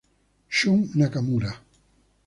Shun Nakamura